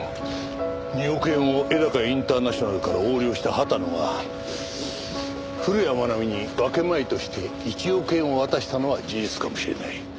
２億円を絵高インターナショナルから横領した畑野が古谷愛美に分け前として１億円を渡したのは事実かもしれない。